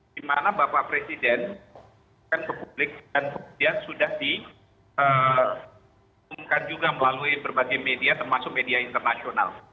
di mana bapak presiden dan republik dan republikan sudah diungkan juga melalui berbagai media termasuk media internasional